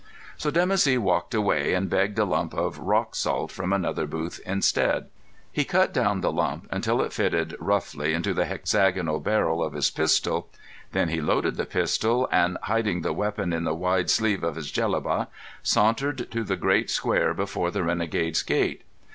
So Dimoussi walked away, and begged a lump of rock salt from another booth instead. He cut down the lump until it fitted roughly into the hexagonal barrel of his pistol. Then he loaded the pistol, and hiding the weapon in the wide sleeve of his jellaba, sauntered to the great square before the Renegade's Gate.